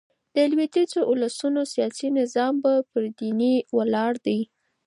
د لوېدیځو اولسونو سیاسي نظام پر بې دينۍ ولاړ دئ.